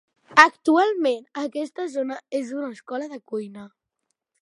Actualment aquesta zona és una escola de cuina.